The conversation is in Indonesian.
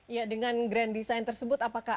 ya dengan grand design tersebut apakah